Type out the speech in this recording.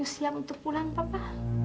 siap untuk pulang papa